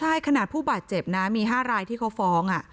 ใช่ขนาดผู้บาดเจ็บนะมี๕รายที่เขาฟ้อง